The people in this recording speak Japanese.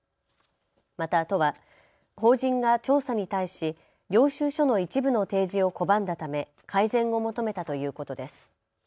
また都は法人が調査に対し領収書の一部の提示を拒んだため改善を求めたということです。